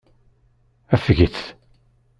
Afget.